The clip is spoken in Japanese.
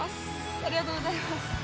ありがとうございます。